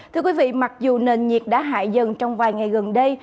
thưa quý vị mặc dù nền nhiệt đã hại dần trong vài ngày gần đây